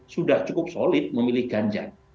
sudah cukup solid memilih ganjar